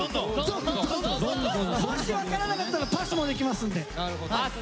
もし分からなかったらパスもできますんで。